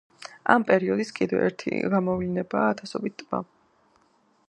ამ პერიოდის კიდევ ერთი გამოვლინებაა ათასობით ტბა.